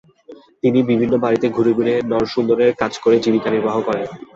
তিনি বিভিন্ন বাড়িতে ঘুরে ঘুরে নরসুন্দরের কাজ করে জীবিকা নির্বাহ করেন।